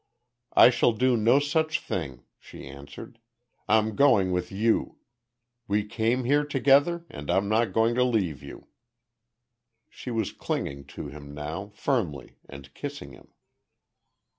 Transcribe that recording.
"I shall do no such thing," she answered. "I'm going with you. We came here together, and I'm not going to leave you." She was clinging to him now, firmly, and kissing him.